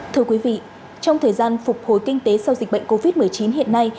thưa quý vị trong thời gian phục hồi kinh tế sau dịch bệnh covid một mươi chín hiện nay